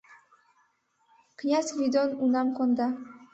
Князь Гвидон унам конда